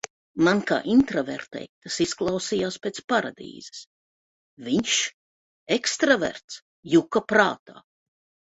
Man kā intravertei tas izklausījās pēc paradīzes. Viņš, ekstraverts, juka prātā.